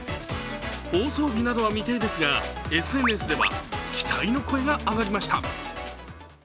放送日などは未定ですがＳＮＳでは期待の声が上がりました。